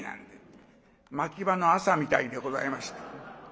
牧場の朝みたいでございました。